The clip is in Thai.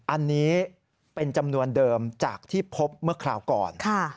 อันนี้เป็นจำนวนเดิมจากที่พบเมื่อคราวก่อน